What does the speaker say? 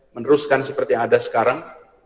meneruskan seperti yang ada sekarang